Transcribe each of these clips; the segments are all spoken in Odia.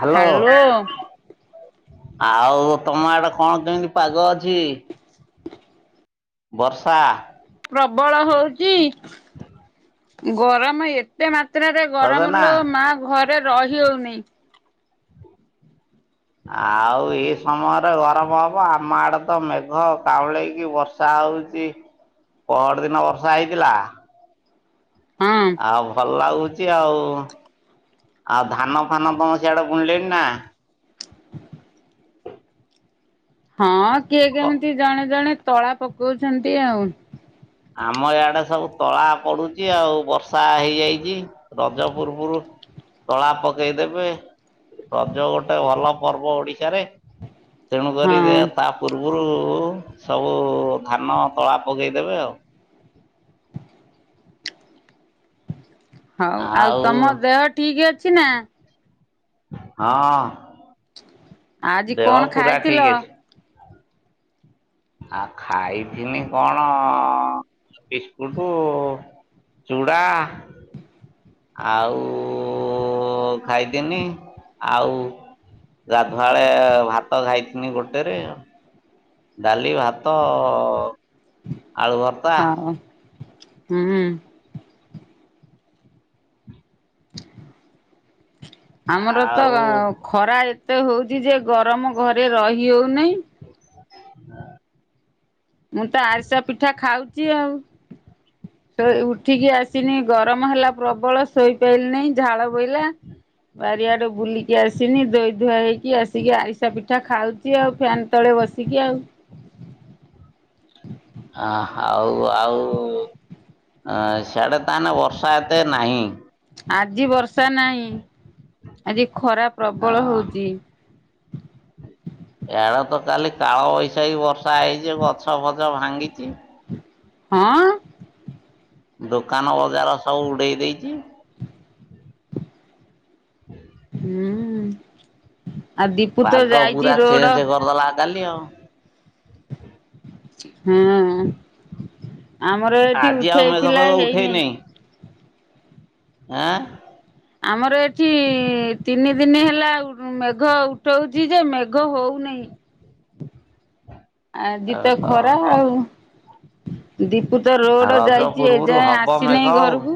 ହାଲୋ। ଆଉ ତମ ଆଡ କଣ କେମିତି ପାଗ ଅଛି? ବର୍ଷା। ପ୍ରବଳ ହୋଉଚି। ଗରମ ଏ ତେ ମାତ୍ରାରେ ଗରମ ହବନା? ଲୋ ମା ଘରେ ରହି ହୋଉନି। ଆଉ ଏ ସମୟରେ ଗରମ ହବ ଆମ ଆଡେ ତ ମେଘ କାଉଁଳେଇକି ବ ର୍ଷା ହୋଉଚି। ପହଅର ଦିନ ବର୍ଷା ହେଇଥିଲା। ହଁ ଆଉ ଭଲ ଲାଗୁଚି ଆଉ। ଆଉ ଧାନ ଫାନ ତମ ସିଆଡେ ବୁଣିଲେଣିି ନା? ହଁ କିଏ କେମିତି ଜଣେ ଜଣେ ତଳା ପକୋଉଛନ୍ତି ଆଉ। ଆମ ଇଆଡେ ସବୁ ତଳା ପଡୁଚି ଆଉ ବର୍ଷା ହେଇଯାଇଚି। ରଜ ପର୍ବରୁ ତଳା ପକେଇଦେବେ। ରଜ ଗୋଟେ ଭଲ ପର୍ବ ଓଡ଼ିଶାରେ। ତେଣୁକରି ରେ ହଁ ତା ପୂର୍ବୁରୁ ସବୁ ଧାନ ତଳା ପକେଇଦେବେ ଆଉ। ହଉ ଆଉ ତମ ଦେହ ଠିକ୍ ଅଛି ନାଁ? ହଁ, ଆଜି ଦେହ କଣ ପୁରା ଖାଇଥିଲ? ଠିକ୍ ଅଛି। ଆଉ ଖାଇଥିନି କଣ ବିସ୍କୁଟୁ ଚୂଡ଼ା ଆଉ ଖାଇଥିନି ଆଉ ଗାଧୁଆଳେ ଭାତ ଖାଇଥିନି ଗୋଟେରେ। ଡାଲି, ଭାତ, ଆଳୁ ଭର୍ ହ ହ ହୁଁ। [unintelligible] ଆମର ତ ଆଉ ଖରା ଏତେ ହୋଉଚି ଯେ ଗରମ ଘରେ ରହି ହୋଉନେଇ। ଦା ମୁଁ ତ ଆରିସା ପିଠା ଖାଉଚି ଆଉ ଶୋ ଉଠିକି ଆସ୍ ତିନି ଗରମ ହେଲା ପ୍ରବଳ ଶୋଇପାଇଲି ନେଇ ଝାଳ ବୋହିଲା ବାରିଆଡ଼େ ବୁଲିି କି ଆସିନି ଧୋଇ ଧୁଆ ହେଇକି ଆସିକି ଆରିସା ପିଠା ଖାଉଚି ଆଉ ଫ୍ୟାନ୍ ତଳେ ବସିକି ଆଉ। ଆ ହଉ ଆଉ ଅଁ ସ୍ୟାଡ଼େ ତାହେନେ ବର୍ଷା ଏତେ ନାହିଁ? ଆଜି ବର୍ଷା ନାହିଁ ଆଜି ଖରା ହଁ ପ୍ରବଳ ହଉଛି ଇଆଡ଼େ ତ କାଲି କାଳ ବୈଶାଖୀ ବର୍ ଷା ହେଇଚି ଯେ ଗଛ ଫଛ ଭାଙ୍ଗିଚି। ହଁ? ଦୋକାନ ବଜାର ସବୁ ଉଡ଼େଇ ଦେଇଚି। ହୁଁ ଆ ଦୀପୁ ତ ପାଗ ଯାଇଚି ପୁରା ରୋଡ଼। ଚେଞ୍ଜ କରିଦେଲା କାଲି ଅ। ହଁ ଆମର ଏଠି ଆଜି ଆଉ ମେଘ ଉଠେଇଥିଲା ଫେଘ ହେଇନି ଉଠେଇନେଇ। ଆଁ? ଳ ଆମର ଏଠି ତିନି ଦିନି ହେଲା ଉ ମେଘ ଉଠଉଚି ଯେ ମେଘ ହୋଉନେଇ। [inaudible] ଆଜି ତ ଖରା ଓହୋ ଆଉ। ଦୀପୁ ତ ହ। ରୋଡ଼ ରଜ ଯାଇଚି ଏଯାଏଁ ଆସିନେଇ ଘରୁକୁ।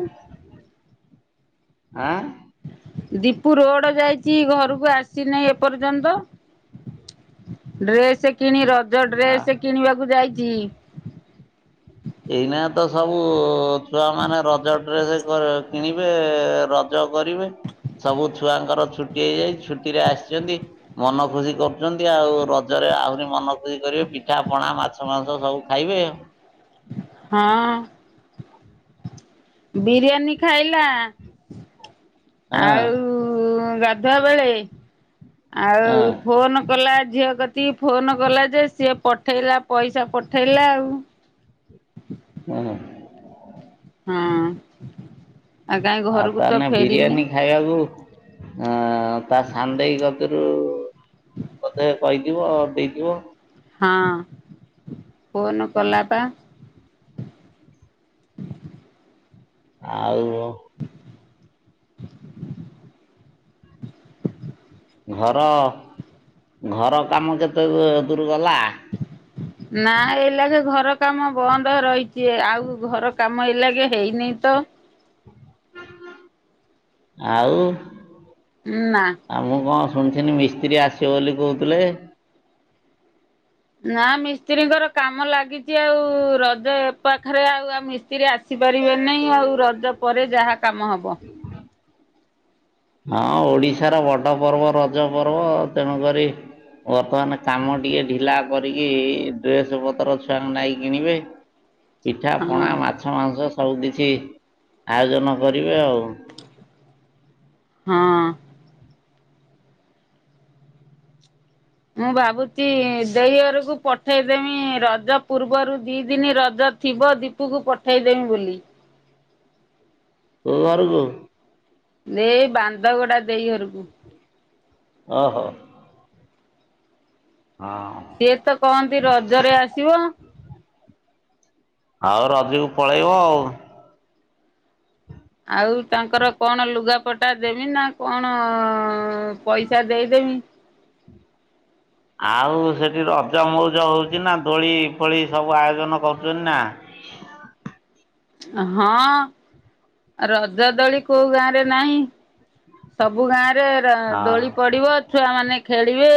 ଆଁ? ଦୀପୁ ରୋଡ଼ ଯାଇଚି ଘରୁକୁ ଆସିନେଇ ଏପର୍ଯ୍ୟନ୍ତ। ଡ୍ରେସେ କିଣି ରଜ ଆଁ। ଡ୍ରେସେ କିଣିବାକୁ ଯାଇଚି। ଏଇନାଗେ ତ ସବୁ ଛୁଆମାନେ ରଜ ଡ୍ରେସେ କ କିଣିବେ ରଜ କରିବେ। ସବୁ ଛୁଆଙ୍କର ଛୁଟି ହେଇଯାଇଚି ଛୁଟିରେ ଆସଚନ୍ତି। ମନ ଖୁସି କରୁଚନ୍ତି ଆଉ ରଜରେ ଆହୁରି ମନ ଖୁସି କରିବେ ପିଠା ପଣା ମା ଛ, ମାଂସ ସବୁ ଖାଇବେ। ହଁ। ବିରିୟାନୀ ଖାଇଲା ହଁ ଆଉ ଗା ଧୁଆ ବେଳେ ହଁ ଆଉ ଫୋନ୍ କଲା ଝିଅ କ ତି ଫୋନ୍ କଲା ଯେ ସିଏ ପଠେଇଲା ପଇସା ପଠେଇଲା ଆଉ। ହୁଁ। ହଁ। କାହିଁ ଆଉ ଘରକୁ ତ ତାହେନେ ଫେରିନି ବିରିୟାନୀ ଖାଇବାକୁ ଅଁ ତା ସାନଦେଇ କତୁରୁ ବୋଧେ କହିଥିବ ଆଉ ଦେଇଥିବ। ହଁ ଫୋନ୍ କଲା ପା। ଆଉ [inaudible] ଘର ଘର କାମ କେତେ ଦୁ ଦୂରୁ ଗଲା? ନାଁ ଏ ଲାଗେ ଘର କାମ ବନ୍ଦ ରହିଛି ଆଉ ଘର କାମ ଏ ଲାଗେ ହେଇନି ତ। ଆଉ? ଉଁ ନା। ଆଉ ମୁଁ କଣ ଶୁଣିିଥିନି ମିସ୍ତ୍ରୀ ଆସିବ ବୋଲି କହୁଥିଲେ। ନା ମିସ୍ତ୍ରୀଙ୍କର କାମ ଲାଗିଛି ଆଉ ରଜ ଏ ପାଖରେ ଆଉ ଆ ମିସ୍ତ୍ରୀ ଆସି ଆସିପାରିବେ ନାହିଁ ଆଉ ରଜ ପରେ ଯାହା କାମ ହବ। [inaudible] ହଁ ଓଡିଶାର ବଡ ପର୍ବ ରଜ ପର୍ବ ତେଣୁ କରି ବର୍ତ୍ତମାନ କାମ ଟିକେ ଢିଲା କରିକି ଡ୍ରେସ୍ ପତ୍ର ଛୁଆଙ୍କୁ ନାଇ କିଣିବେ। ପିଠା, ହଁ ପଣା, ମାଛ, ମାଂସ ସବୁ କିଛି ଆୟୋଜନ କରିବେ ଆଉ। ହଁ। ମୁଁ ଭାବୁଛି ଦେଇଅରକୁ ପଠେଇଦେମି ରଜ ପୂର୍ବରୁ ଦିଇ ଦିନ ରଜ ଥିବ ଦ [unintelligible] ପାଖକୁ ପଠାଇଦେମି ବୋଲି। [unintelligible] ତ ଘରକୁ ଏ ବାନ୍ଦ ଗୋଡା ଦେଇ ଘରକୁ। ଓ ହୋ। ହଁ। ସିଏ ତ କହନ୍ତି ରଜରେ ଆସିବ। ଆଉ ରଜକୁ ପଳେଇବ ଆଉ। ଆଉ ତାଙ୍କର କଣ ଲୁଗାପଟା ଦେମି ନା କଣ ପଇସା ଦେଇ ଦେମି? ଆଉ ସେଠି ରଜ ମଉଜ ହଉଛି ନା ଦୋଳି ଫୋଳି ସବୁ ଆୟୋଜନ କରୁଛନ୍ତି ନା। ହଁ ରଜ ଦୋଳି କୋଉ ଗାଁ ରେ ନାହିଁ। ସବୁ ଗାଁରେ ହଁ। ଦୋଳି ପଡିବ ଛୁଆ ମାନେ ଖେଳିବେ।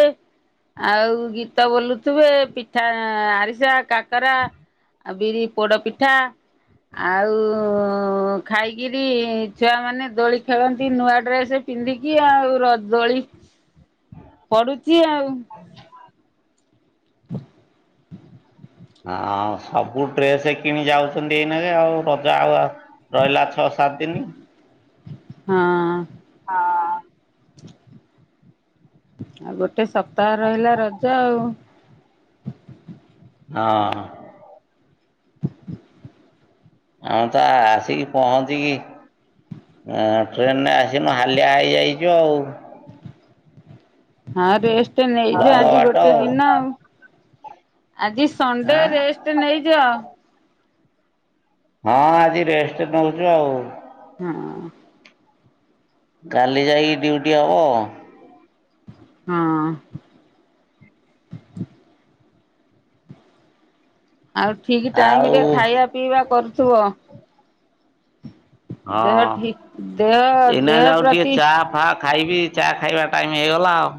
ଆଉ ଗୀତ ବୋଲୁଥିବେ ପିଠା, ଆରିସା, କାକରା। ଆଉ ବିରି ପୋଡପିଠା ଆଉ ଖାଇକିରି ଛୁଆ ମାନେ ଦୋଳି ଖେଳନ୍ତି ନୂଆ ଡ୍ରେସ ପିନ୍ଧିକି ଆଉ ରଜ ଦୋଳି ପଡୁଛି ଆଉ [inaudible] [inaudible] ହଉ ସବୁ ଡ୍ରେସ କିଣି ଯାଉଛନ୍ତି ଏଇନେରେ ଆଉ ରଜା ଆଉ ଆଉ ରହିଲା ଛଅ ସାତ ଦିନି ହଁ। ହଁ। ଆଉ ଗୋଟେ ସପ୍ତାହ ରହିଲା ରଜ ଆଉ ହଁ। ହଉ ତ ଆସିକି ପହଞ୍ଚିକି ଟ୍ରେନରେ ଆସିନୁ ହାଲିଆ ହେଇଯାଇଛୁ ଆଉ। ହଁ ରେଷ୍ଟ ନେଇଜା ଲଙ୍ଗ ଆଜି ବାଟ ଗୋଟେ ଦିନ ଆଉ ଆଜି ସଣ୍ଡେ ଆଁ ରେଷ୍ଟ ନେଇଯାଅ। ହଁ ଆଜି ରେଷ୍ଟ ନେଉଛୁ ଆଉ। ହଁ। କାଲି ଯାଇି ଡ୍ୟୁଟି ହବ। ହଁ। ଆଉ ଠିକ ଟାଇମ ରେ ଆଉ ଖାଇବା ପିଇବା କରୁଥିବ। ଦେହ ହଁ ଠିକ୍ ଦେହ ଦେହ ପ୍ରତି ହାଁ ଖାଇବି ଚା ଖାଇବା ଟାଇମ ହେଇଗଲା ଆଉ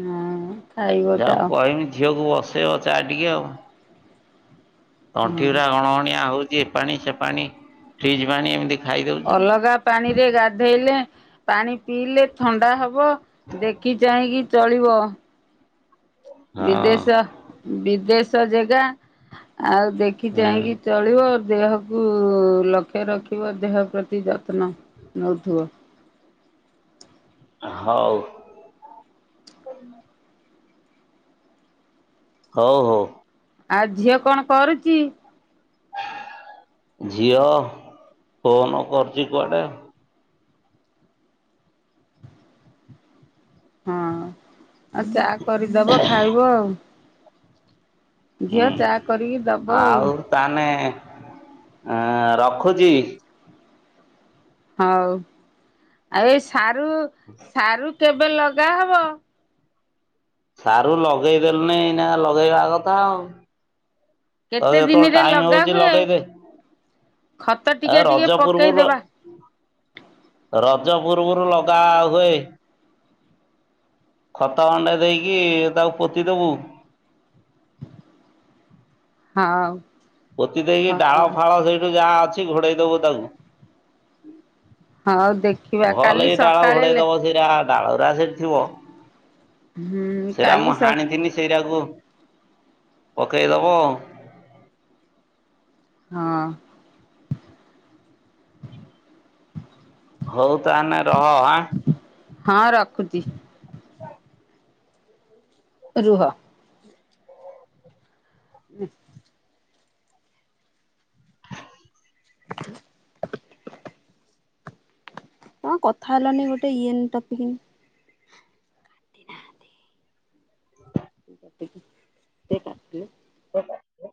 ହଁ ଖାଇବ ଯାଉ ଯାଅ କହିବି ଝିଅକୁ ବସେଇବ ଚା ଟିକେ ଆଉ ତଣ୍ଠି ହଁ ଟା ଗଣଗଣିଆ ହଉଛି ପାଣି ସେ ପାଣି ଫ୍ରିଜ ପାଣି ଏମିତି ଖାଇଦଉଛୁ। ଅଲଗା ପାଣିରେ ଗାଧେଇଲେ ପାଣି ପିଇଲେ ଥଣ୍ଡା ହେବ, ଦେଖି ଚାହିଁକି ଚଳିବ। ହଁ ବିଦେଶ ବିଦେଶ ଜାଗା ଆଉ ଦେଖି ହୁଁ ଚାହିଁକି ଚଳିବ ଦେହକୁ ଲକ୍ଷ୍ୟ ରଖିବ ଦେହ ପ୍ରତି ଯତ୍ନ ନେଉଥିବ। ହୋଉ। ହଉ ହଉ। ଆଉ ଝିଅ କଣ କରୁଚି? ଝିଅ ଫୋନ କରୁଚି କୁଆଡେ। ହଁ ଆଉ ଚା କରିଦବ ଖାଇବ ଆଉ। ଝିଅ ହୁଁ ଚା କରିକି ଦବ ଆଉ ତାହେନେ ଅ ରଖୁଚି। ହଉ ଆଉ ଏ ସାରୁ ହୁ। ସାରୁ କେବେ ଲଗାହବ? ସାରୁ ଲଗେଇଦେଲୁନି ଏଇ ନା ଲଗେଇବା କଥା ଆଉ। ତ କେତେ ଯେତେବେଳେ ଦିନରେ ଟାଇମ ଲଗା ହୋଉଚି ହୁଏ ଲଗେଇଦେ, ଖତ ଆ ଟିକେ ଟିକେ ରଜପୂର୍ବରୁ ପକେଇଦବା ରଜ ପୂର୍ବରୁ ଲଗା ହୋଉଚି। ଖତ ଅଣ୍ଡା ଦେଇକି ତାକୁ ପୋତିଦବୁ। ହଁ। ପୋତି ଦେଇକି ଡାଳ ଫାଳ ସେଇଠୁ ଯାହା ଅଛି ଘୋଡେଇ ଦବୁ ତାକୁ। ହଁ ହଉ ଦେଖ ଭଲ ଏଇ ଡାଳ ଘୋଡେଇ ଦବ ସେଇଟା ଡାଳୁରା ସେଇଠି ଥିବ। ହୁଁ ସେରା କାଲି ମୁଁ ସ ହାଣିଥିଲି ସେଇରାକୁ ପକେଇଦବ ଆଉ। ହଁ। ହୋଉ ତାହେନେ ରଖ। ହଁ ରଖୁଚି। ହ। ରୁହ। ହୁଁ। [inaudible] ହଁ କଥା ହେଲାନି ଗୋଟେ ଇଏ ଟକିଙ୍ଗି ସେ କହିଥିଲେ। [inaudible]